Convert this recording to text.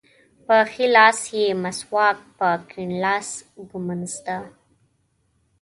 په ښي لاس یې مسواک په کیڼ لاس ږمونځ ده.